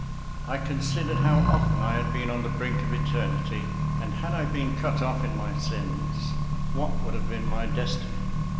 I considered how often I had been on the brink of eternity; and had I been cut off in my sins, what would have been my destiny?